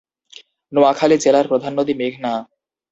নোয়াখালী জেলার প্রধান নদী মেঘনা।